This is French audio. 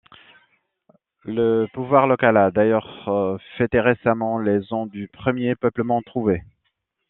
Le pouvoir local a d'ailleurs fêté récemment les ans du premier peuplement trouvé.